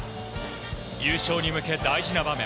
優勝に向け、大事な場面。